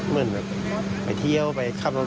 คุณโอนี่ถือว่าเป็นแบบ